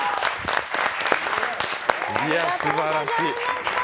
いや、すばらしい。